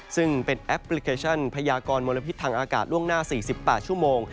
ซึ่งเป็นแอปพลิเคชันพยากรมลพิษทางอากาศล่วงหน้า๔๘ชั่วโมง